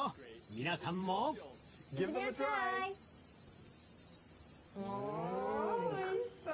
皆さんもおおいしそう。